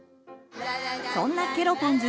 そんなケロポンズ